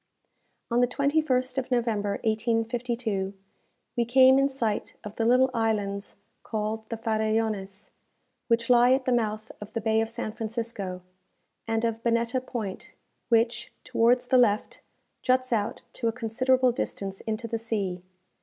On the 21st of November, 1852, we came in sight of the little islands called the Farellones, which lie at the mouth of the bay of San Francisco, and of Bonetta Point, which, towards the left, juts out to a considerable distance into the sea.